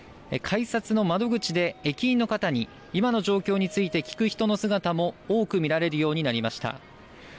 改札の窓口で、駅員の方に今の状況について聞く人の姿も多く見られるようになりました。